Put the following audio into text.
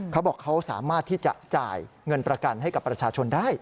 เขาบอกเขาสามารถที่จะจ่ายเงินประกันให้กับประชาชนได้